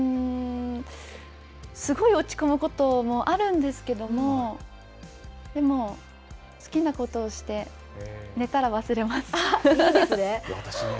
すごい落ち込むこともあるんですけども、でも、好きなことをして、いいですね。